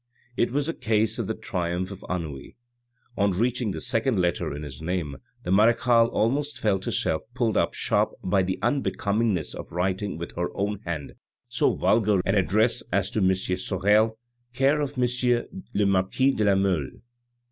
It was a case of the triumph of ennui. On reaching the second letter in his name the marechale almost felt herself pulled up sharp by the unbecomingness of writing with her own hand so vulgar an address as to M. Sorel, care of M. le Marquis de la Mole.